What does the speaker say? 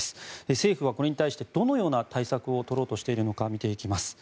政府はこれに対してどのような対策を取ろうとしているのか見ていきます。